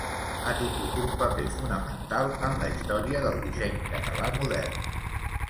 Ha tingut un paper fonamental en la història del disseny català modern.